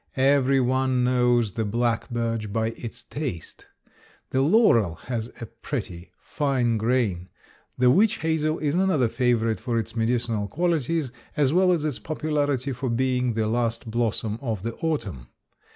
Every one knows the black birch by its taste. The laurel has a pretty, fine grain. The witch hazel is another favorite for its medicinal qualities as well as its popularity for being the last blossom of the autumn.